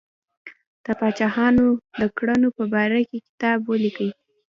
د پاچاهانو د کړنو په باره کې کتاب ولیکي.